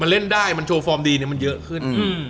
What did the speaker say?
เล่นได้มันโชว์ฟอร์มดีมันเยอะขึ้น